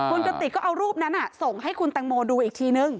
คุณกติกก็เอารูปนั้นส่งให้คุณแตงโมดูอีกทีนึง